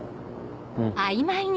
うん。